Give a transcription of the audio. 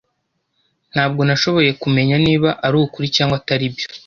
Ntabwo nashoboye kumenya niba arukuri cyangwa atari byo.